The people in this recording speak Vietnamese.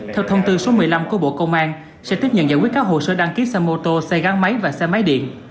theo thông tư số một mươi năm của bộ công an sẽ tiếp nhận giải quyết các hồ sơ đăng ký xe mô tô xe gắn máy và xe máy điện